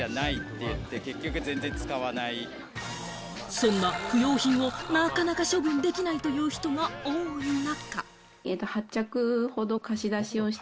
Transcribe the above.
そんな不用品がなかなか処分できないという人が多い中。